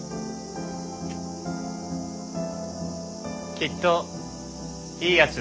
きっといいヤツ。